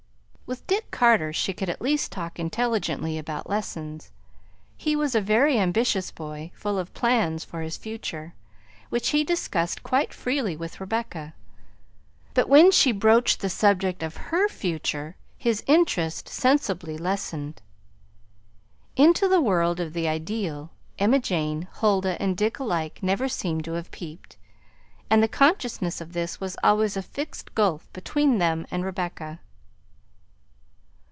With Dick Carter she could at least talk intelligently about lessons. He was a very ambitious boy, full of plans for his future, which he discussed quite freely with Rebecca, but when she broached the subject of her future his interest sensibly lessened. Into the world of the ideal Emma Jane, Huldah, and Dick alike never seemed to have peeped, and the consciousness of this was always a fixed gulf between them and Rebecca.